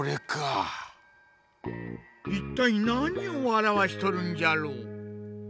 いったいなにをあらわしとるんじゃろ？